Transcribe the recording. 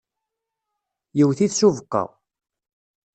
Yewwet-it s ubeqqa.